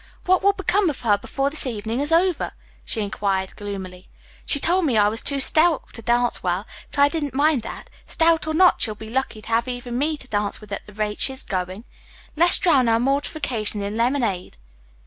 What will become of her before the evening is over?" she inquired gloomily. "She told me I was too stout to dance well, but I didn't mind that. Stout or not, she will be lucky to have even me to dance with at the rate she's going. Let's drown our mortification in lemonade."